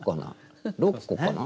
６個かな？